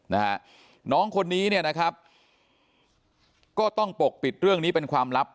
นะฮะน้องคนนี้เนี่ยนะครับก็ต้องปกปิดเรื่องนี้เป็นความลับ